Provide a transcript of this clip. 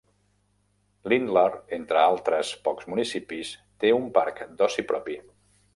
Lindlar, entre altres pocs municipis, té un parc d'oci propi.